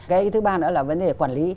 cái thứ ba nữa là vấn đề quản lý